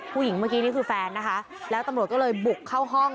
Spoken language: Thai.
ผู้หญิงเมื่อกี้นี่คือแฟนนะคะแล้วตำรวจก็เลยบุกเข้าห้อง